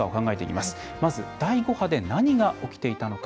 まず第５波で何が起きていたのか。